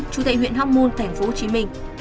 chú tại huyện hóc môn tp hcm